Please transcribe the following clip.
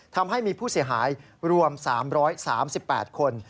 ทำให้มีผู้เสียหายรวม๓๓๘คน